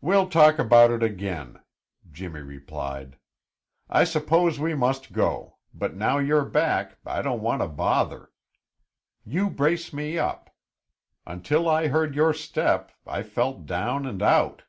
"We'll talk about it again," Jimmy replied. "I suppose we must go, but now you're back, I don't want to bother. You brace me up. Until I heard your step, I felt down and out."